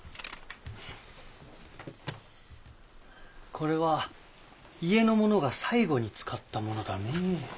これは家の者が最後に使ったものだねえ。